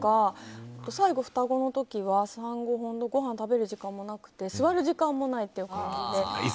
最後、双子の時は産後もごはん食べる時間もなくて座る時間もないという感じで。